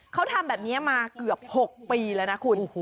เขาทำแบบนี้มาเกือบ๖ปีแล้วนะคุณ